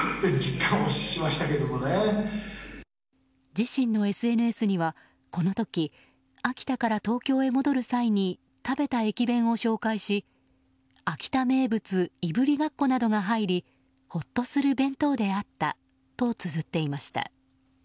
自身のＳＮＳには、この時秋田から東京へ戻る際に食べた駅弁を紹介し秋田名物いぶりがっこなどが入りほっとする弁当であったとつづっていました。